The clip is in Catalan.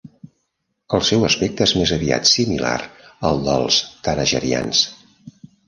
El seu aspecte és més aviat similar al dels Thanagarians.